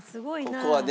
ここはね